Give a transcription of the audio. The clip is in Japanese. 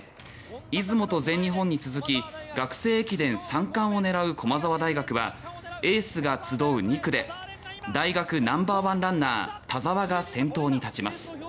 出雲と全日本に続き学生駅伝三冠を狙う駒澤大学はエースが集う２区で大学ナンバー１ランナー田澤が先頭に立ちます。